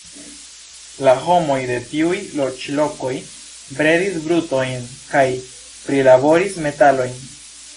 La homoj de tiuj loĝlokoj bredis brutojn kaj prilaboris metalojn.